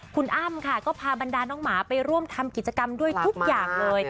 คุณอ้ำค่ะก็พาบรรดาน้องหมาไปร่วมทำกิจกรรมด้วยทุกอย่างเลย